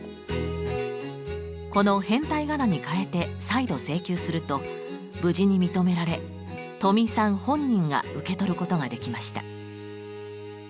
この変体仮名に変えて再度請求をすると無事に認められとみいさん本人が受け取ることができました。